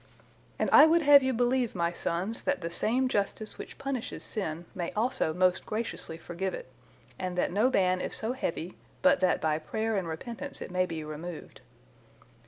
And I would have you believe, my sons, that the same Justice which punishes sin may also most graciously forgive it, and that no ban is so heavy but that by prayer and repentance it may be removed.